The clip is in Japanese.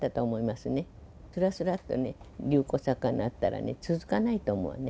すらすらっと流行作家になったらね、続かないと思うね。